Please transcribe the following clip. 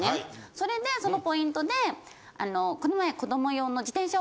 それでそのポイントでこの前。